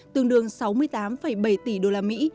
tương đương sáu mươi tám bảy tỷ đô la mỹ